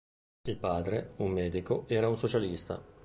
Il padre, un medico, era un socialista.